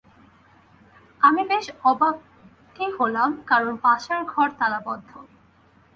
আমি বেশ অবাকাই হলাম, কারণ পাশের ঘর তালাবন্ধ।